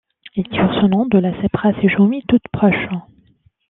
Il tire son nom de la sebkha Séjoumi toute proche.